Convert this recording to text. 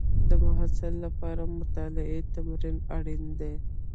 د محصل لپاره مطالعې تمرین اړین دی.